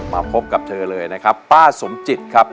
มาพบกับเธอเลยนะครับป้าสมจิตครับ